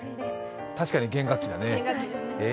確かに弦楽器だね。